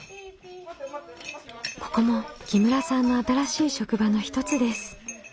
ここも木村さんの新しい職場の一つです。